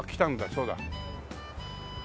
そうだ。